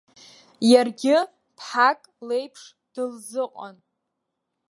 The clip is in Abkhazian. Иаргьы ԥҳак леиԥш дылзыҟан.